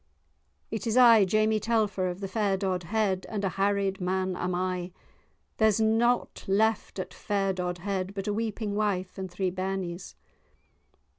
"It is I, Jamie Telfer, of the fair Dodhead, and a harried man am I; there is nought left at fair Dodhead but a weeping wife and three bairnies."